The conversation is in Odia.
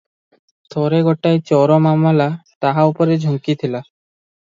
ଥରେ ଗୋଟାଏ ଚୋର ମାମଲା ତାହା ଉପରେ ଝୁଙ୍କିଥିଲା ।